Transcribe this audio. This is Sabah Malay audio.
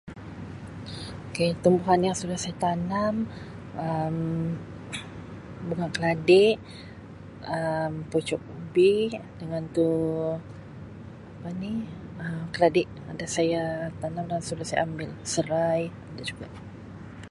K tumbuhan yang sudah saya tanam Um bunga keladi, Um pucuk ubi dengan tu apa ni Um keladi ada saya tanam dan sudah saya ambil serai ada juga.